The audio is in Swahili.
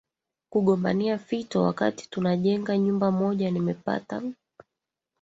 kugombania fito wakati tunajenga nyumba moja Nimepata